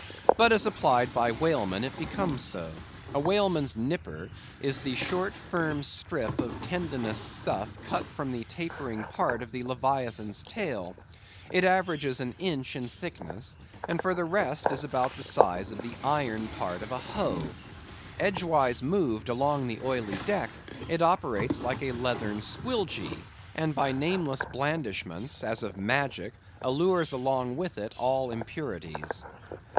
But as applied by whalemen, it becomes so. A whaleman's nipper is a short firm strip of tendinous stuff cut from the tapering part of Leviathan's tail: it averages an inch in thickness, and for the rest, is about the size of the iron part of a hoe. Edgewise moved along the oily deck, it operates like a leathern squilgee; and by nameless blandishments, as of magic, allures along with it all impurities.